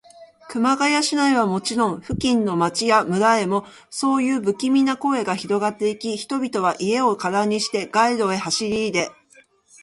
熊谷市内はもちろん、付近の町や村へも、そういうぶきみな声がひろがっていき、人々は家をからにして、街路へ走りいで、